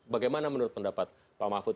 bagaimana menurut pendapat pak mahfud